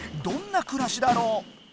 どんな暮らしだろう？